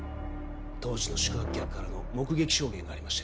当時の宿泊客からの目撃証言がありましてね。